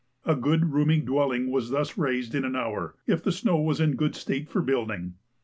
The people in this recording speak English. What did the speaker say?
A good roomy dwelling was thus raised in an hour, if the snow was in a good state for building.